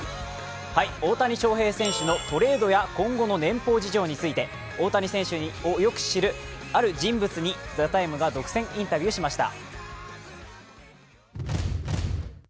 大谷翔平選手のトレードや今後の年俸事情について大谷選手をよく知るある人物に「ＴＨＥＴＩＭＥ，」が独占インタビューしました。